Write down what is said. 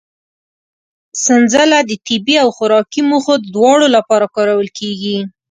سنځله د طبي او خوراکي موخو دواړو لپاره کارول کېږي.